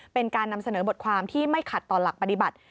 เป็นการนำเสนอบทความที่ไม่ขัดต่อหลักปฏิบัติ